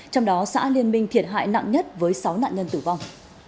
trong đó xã liên minh thiệt hại nặng nhất với sáu nạn nhân tử vong